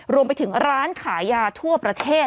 รวมไปถึงร้านขายยาทั่วประเทศ